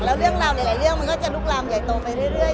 แล้วเรื่องราวหลายเรื่องมันก็จะลุกลามใหญ่โตไปเรื่อย